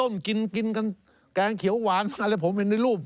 นี่คุณไปต้มกินแกงเขียวหวานมาแล้วผมเห็นในรูป